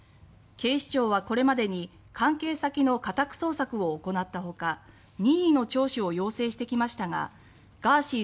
警視庁はこれまでに関係先の家宅捜索を行ったほか任意の聴取を要請してきましたがガーシー